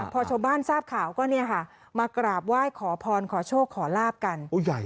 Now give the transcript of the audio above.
พอชาวบ้านทราบข่าวก็เนี่ยค่ะมากราบไหว้ขอพรขอโชคขอลาบกัน